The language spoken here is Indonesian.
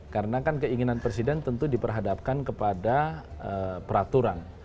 karena kan keinginan presiden tentu diperhadapkan kepada peraturan